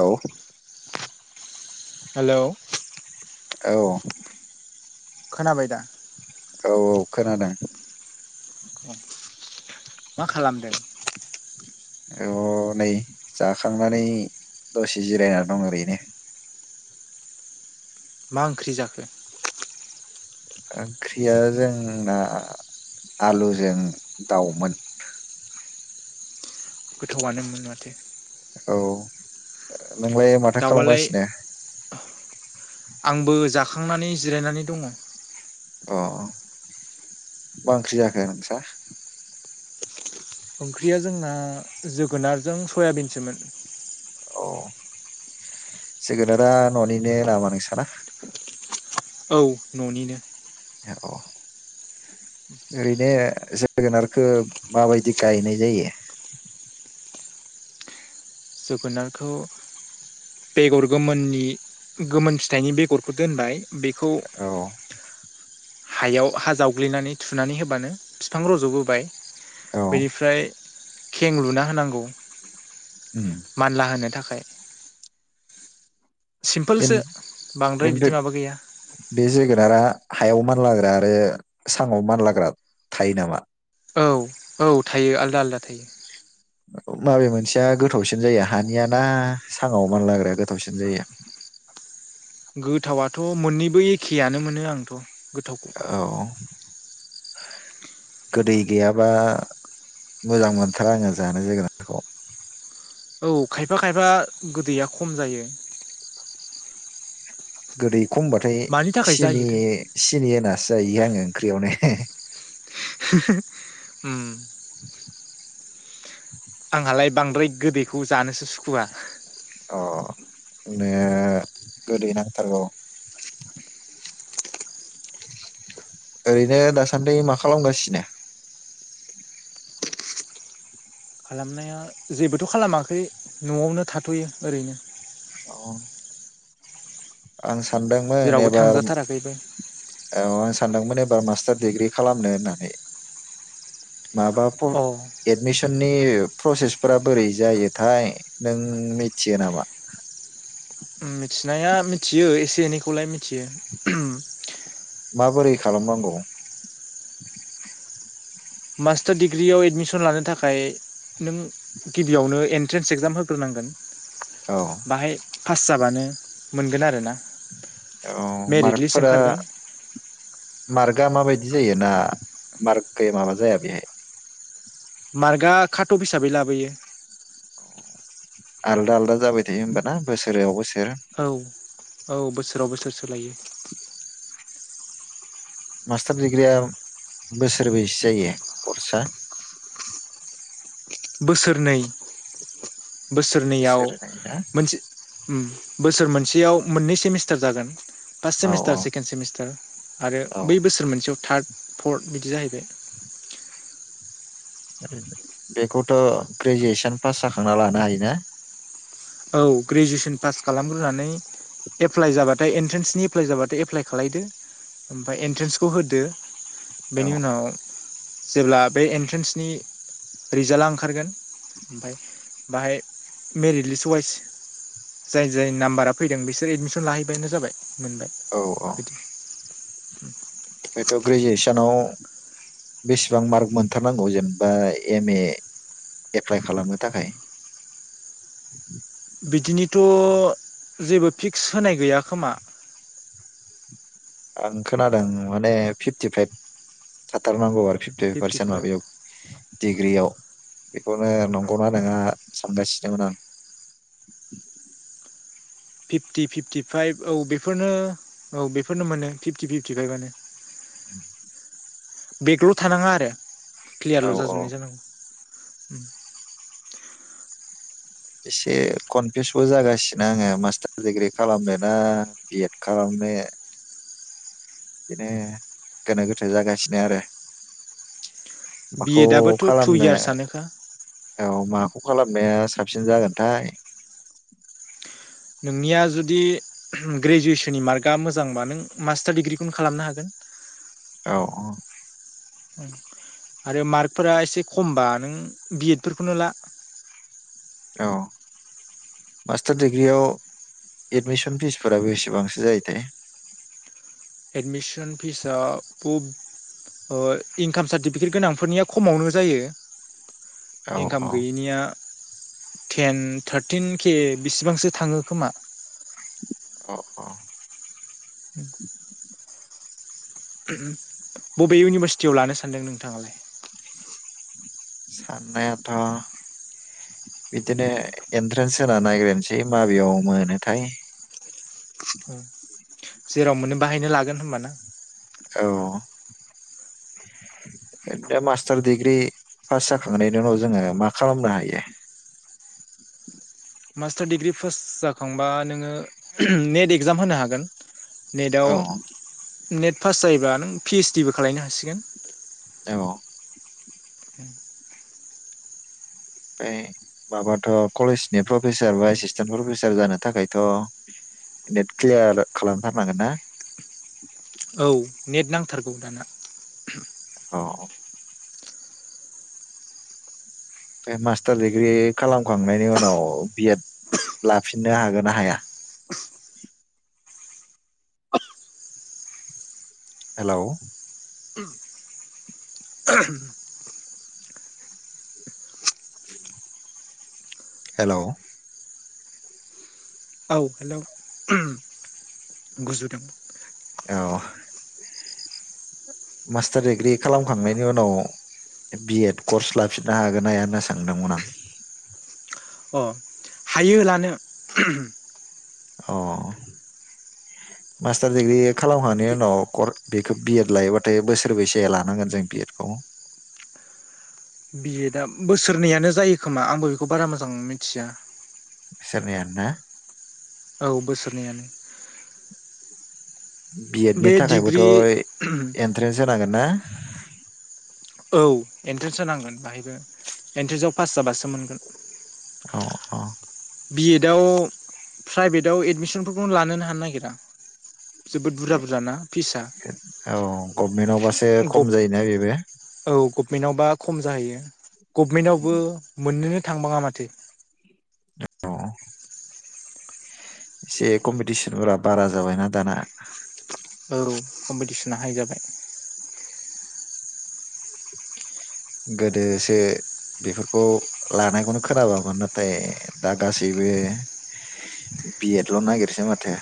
औ हेलौ औ खोनाबाय दा औ औ खोनादों मा खालामदों औ नै जाखांनानै दसे जिरायनानै दं ओरैनो मा ओंख्रि जाखो ओंख्रिया जोंना आलुजों दाउमोन गोथावआनोमोन माथो औ नोंलाय माथो दाउआलाय खालामगासिनो नानै जिरायनानै दङ अ मा ओंख्रि जाखो नोंस्रा ओंख्रिया जोंना जोगोनारजों सयाबिनसोमोन औ जोगोनारा न'निनो नामा नोंसाना। औ न'निनो औ ओरैनो जोगोनारखौ माबायदि गायनाय जायो जोगोनारखौ बेगर गोमोननि गोमोन फिथाइनि बेगरखौ दोनबाय बेखौ औ हायाव हा जावग्लिनानै थुनानै होबानो बिफां रजबोबाय औ बेनिफ्राय खें लुना होनांगौ उम मानला होनो थाखाय [unintelligible] बे सिम्पोलसो बांद्राय बिदि बेथ माबा गैया बे जोगोनारा हायाव मानलाग्रा आरो सां आव मानलाग्रा थायो नामा आलादा थायो माबे मोनसेया गोथावसिन जायो हानिया ना साङाव मानलाग्राया गोथावसिन जायो। गोथावाथ मोननैबो एखेयानो मोनो आंथ गोथावखौ औ गोदै गैयाबा मोजां मोनथाराआङो जानो जोगोनारखौ औ खायफा खायफा गोदैया खम जायो। गोदै खमबाथाय मानि थाखाय सिनि जायोथाय सिनि होना। जायो आंङो ओंख्रियावनो [unintelligible] उम आंहालाय बांद्राय गोदैखौ जानोसो सुखुवा अ नो गोदै नांथारगौ ओरैनो दासान्दि मा खालामगासिनो खालामनाया जेबोथ खालामाखै नआवनो थाथयो ओरैनो आंस सानदोंमोन जेरावबो एबार थांजाथाराखैबो ओ सानदोंमोन एबार मास्टार डिग्रि खालामनो होननानै। माबा अ एदमिसन। नि प्रसेसफोरा बोरै जायोथाय नों मिथियो नामा। मिथिनाया मिथियो एसे एनैखौलाय मिथियो। माबोरै खालामनांगौ। मास्टार दिडिग्रियाव एडमिसन लानो थाखाय नों गिबियावनो एन्ट्रेन्स एक्जाम होग्रोनांगोन। औ बाहाय। पास जाबानो मोनगोन आरोना। औ मेरिट लिस्ट मारकफोरा। ओंखारगोन मार्कआ माबायदि जायो ना मार्क माबा जाया बेहाय। मार्कआ खाटब हिसाबै लाबोयो। आलदा आलदा। जाबाय थायो होमबाना बोसोराव बोसोर। औ बोसोराव बोसोर सोलायो मास्टार डिग्रिया। बोसोरबैसो जायो करसा। बोसोरनै। बोसोरनैयाव बोसोरनै ना मोनसे बोसोर मोनसेयाव मोननै सेमिस्टार। [unintelligible] फार्स्ट औ सेमिस्टार सेकेणड सेमिस्टार आरो औ बै बोसोर मोनसेयाव थार्ड। पर्ट बिदि जाहैबाय। बेखौथ ग्रेजुवेसन पास जाखांना लानो हायोना। औ ग्रेजुवेसन पास। खालामग्रोनानै एप्लाइ जाबाथाय एन्ट्रेन्सनि एप्लाइ जाबाथाय एप्लाइ खालायदो ओमफ्राय एन्ट्रेन्सखौ होदो। औ बेनि उनाव। जेब्ला बे एन्ट्रेन्सनि रिजाल्टआ ओंखारगोन ओमफ्राय बाहाय मेरिट लिस्टआव। टुवाइस जाय जाय नाम्बारा फैदों बिसोर एडमिसन लाहैबानो जाबाय। मोनबाय बिदि। [inaudible] आफायट ग्रेजुसन। [unintelligible] बेसेबां मार्क मोनथारनांगौ जेनेबा एम ए एप्लाइ खालामनो थाखाय? बिदिनिथ' जेबो फिक्स होनाय गैया खोमा। आं खोनादों माने फिफटिफाइभ थाथारनांगौ आरो फिफ्टि पारसेन्ट फिफ्टिफाइभ माबायाव डिग्रियाव। बेखौनो नंगौना नङा सानगासिनोमोन आं। फिफटि फिफ्टिफाइभ औ बेफोरनो औ बेफोरनो मोनो फिफ्टि फिफ्टिफाइभआनो बेगल' थानाङा आरो। आं औ क्लियारल' औ जाजोबनाय जानांगौ। उम एसे कनफिउसबो जागासिनो आङो मास्टार दिडिग्रि खालामनो ना बिएड खालामनो। बिदिनो गोनो गोथो जागासिनो आरो। बि माखौ एडआबोथ' टु खालामनो इयार्सआनोखा औ मा खालामनाया साबसिन जागोनथाय? नोंनिया जुदि ग्रेजुवेसननि मार्कआ मोजांबा नों मास्टार दिडिग्रिखौनो खालामनो हागोन। औ औ आरो मार्कफोरा एसे खमबा नों बिएद फोरखौनो ला। औ मास्टार दिडिग्रियाव एडमिसन फिसफोरा बेसेबांसो जायोथाय? एडमिसन फिसआ बब ओ इनकाम सारटिफिकेट गोनांफोरनिया खमावनो जायो। औ इनकाम औ गैयिनिया टेन थार्टिन के बेसिबांसो थाङो खोमा। अ अ [unintelligible] बबे इउनिभारसिटियाव लानो सानदों नोंथाङालाय? साननायाथ' बिदिनो एन्ट्रेन्स होना नायग्रोनोसै माबेयाव मोनोथाय। जेराव मोनो बाहायनो लागोन होमबाना? औ ओरैनो मास्टार दिडिग्रि पास जाखांनायनि उनाव जोङो मा खालामनो हायो? मास्टार दिग्रि फास्ट जाखांबा नोङो नेट एक्जाम होनो हागोन। नेदाव औ नेट पास जायोबा नों पिओइस डिबो खालायनो हासिगोन। औ [inaudible] ओमफ्राय माबाथ' कलेजनि प्रफेसार बा एसिसटेन्ट प्रफेसार जानो थाखायथ' नेट क्लियार खालामथारनांगोन ना? औ नेट नांथारगौ दाना। अ फाय मास्टार दिडिग्रि खालामखांनायनि उनाव बिएद लाफिननो हागोन ना हाया? हेलौ [inaudible] हेलौ औ हेलौ ओम गुजुदों। अ मास्टार दिडिग्रि खालामखांनायनि उनाव बि एद कर्स लाफिननो हागोन हाया होनना सोंदोंमोन आं? अ हायो लानो। अ मास्टार दिग्रि खालामखांनायनि उनाव कर बेखौ बिएद लायोबाथाय बोसोरबैसो लानांगोन जों बि एद खौ? बि एडआ बोसोरनैयानो जायो खोमा आंबो बेखौ बारा मोजां मिथिया। बोसोरनैयानोना? औ बोसोरनैयानो। बि एड नि बे थाखायबोथ' डिग्रि एन्ट्रेन्स होनांगोन? ना? औ। एन्ट्रेन्स नांगोन बाहायबो एन्ट्रेन्सआव पास जाबासो मोनगोन। अ अ। बि एदआव प्राइभेटाव एडमिसनफोरखौनो लानोनो हानो नागिरा जोबोद बुरजा बुरजा ना। फिसआ औ गभमेन्टआवबासो एसे खम गभ जायोना बेबो। औ गभमेन्टआवबा खम जाहैयो। गभमेन्टआवबो मोननोनो थांबाङा माथो। अ एसे कमपिटिसनफोरा बारा जाबायना दाना। जौ कम्पिटिसना हाय जाबाय। गोदोसो बेफोरखौ लानायखौनो खोनाबोयामोन नाथाय दा गासैबो बि एडल' नागिरसै माथो।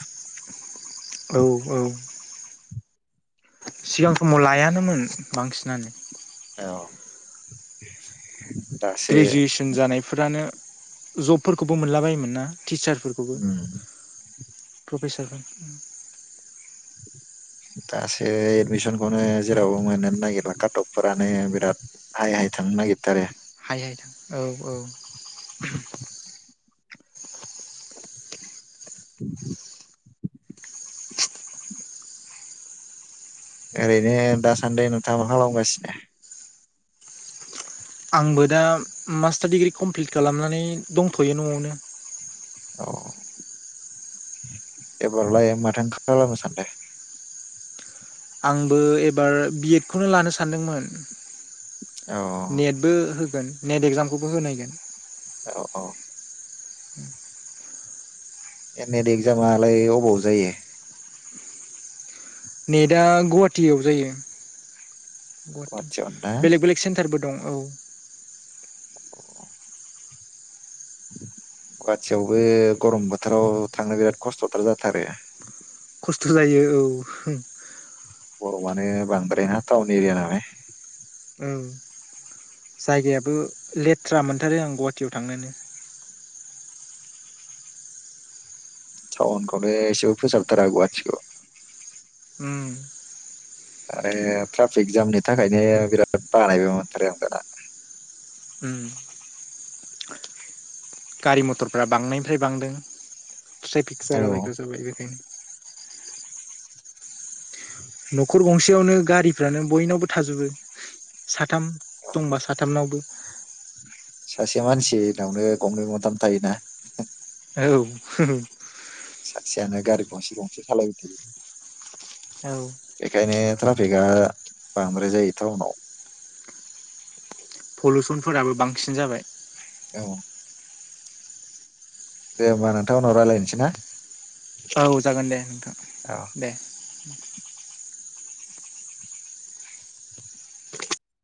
औ औ। सिगां समाव लायानोमोन बांसिनानो। औ। दासो ग्रेजुवेसन जानायफोरानो जबफोरखौबो मोनलाबायोमोन ना? टिचारफोरखौबो उम फो [unintelligible] दासो एदमिसनखौनो जेरावबो मोनो नागिरला काटपफोरानो बिराद हाइ हाइ थांनो नागिरथारो। हाय हाय थां औ औ। [inaudible] [inaudible] ओरैनो दासान्दि नोंथाङा मा खालामगासिनो? आंबो दा मास्टार डिग्रि कमप्लिट खालामनानै दंथ'यो न'आवनो। अ। एबारलाय माथो खालामो सानदों? आंबो एबार बि एड खौनो लानो सानदोंमोन। औ नेटबो हो नेट एक्जामखौबो होनायगोन औ औ। [inaudible] ए नेट एक्जामालाय अबाव जायो? नेटआ गुवाहाटीयाव जायो। गुवाहाटी गुवाहाटियावनो ना बेलेग बेलेग सेन्टारबो दं। औ अ गुवाहाटियावबो गरम बोथोराव थांनो बिराद खस्थ'थार जाथारो। खस्थ' जायो औ। [unintelligible] गर'मानो बांद्राय ना टाउन एरिया नालाय। औ जायगायाबो लेथ्रा मोनथारो आं गुवाहाटीयाव थांनोनो। टाउनखौ एसेबो फोसाबथारा गुवाटीखौ। उम आरो ट्राफिक जामनि थाखायनो बिराद बानायबो मोनथारो आं दाना। उम गारि मथरफ्रा बांनायनिफ्राय बांदों। ट्रेक औ जाला‌बायग्रा जाबाय बेखायनो [inaudible] न'खर गंसेयावनो गारिफ्रानो बयनावबो थाजोबो साथाम औ दंबा साथामनावबो। सासे मानसिनावनो गंनै गंथाम थायोना। औ सासेयानो गारि गंसे गंसे सालायबाय थायो। औ एखायनो ट्राफिकआ बांद्राय जायो टाउनाव। पलुसनफोराबो बांसिन जाबाय। औ दे होमबा नोंथां उनाव रायलायनोसै ना? औ जागोन दे नोंथां औ दे। [inaudible]